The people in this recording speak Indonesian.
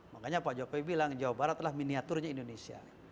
makanya pak jokowi bilang jawa barat adalah miniaturnya indonesia